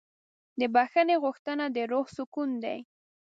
د بښنې غوښتنه د روح سکون ده.